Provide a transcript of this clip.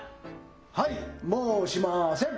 はいもうしません。